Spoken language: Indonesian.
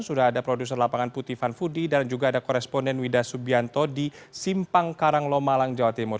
sudah ada produser lapangan putih van fudi dan juga ada koresponden wida subianto di simpang karang lomalang jawa timur